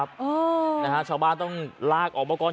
ชาวบ้านต้องลากออกมากกว่าโอ้นะฮะชาวบ้านต้องลากออกมากกว่า